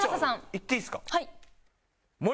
いっていいですか？